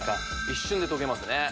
一瞬で溶けますね